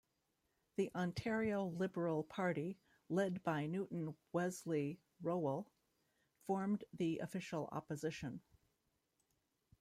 The Ontario Liberal Party, led by Newton Wesley Rowell, formed the official opposition.